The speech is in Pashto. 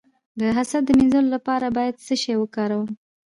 د حسد د مینځلو لپاره باید څه شی وکاروم؟